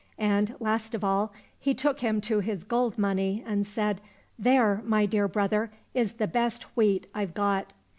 " And, last of all, he took him to his gold money, and said, " There, my dear brother, is the best wheat I've got."